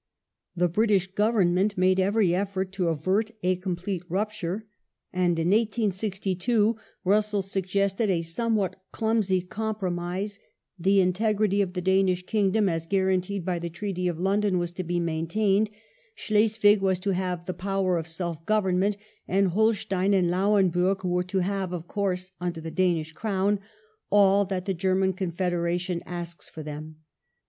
The British Government made every effort to avert a complete rupture,^ and in 1862 Russell suggested a some what clumsy compromise : the " integrity " of the Danish Kingdom, as guaranteed by the Treaty of London, was to be maintained ; Schleswig was to have " the power of self government "; and Holstein and Lauenburg were to have (of course under the Danish Crown) "all that the German Confederation asks for them".